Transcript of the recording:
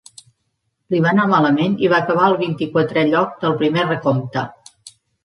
Li va anar malament i va acabar al vint-i-quatrè lloc del primer recompte.